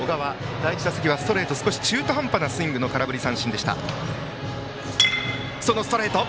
第１打席はストレートに中途半端なスイングでの空振り三振でした。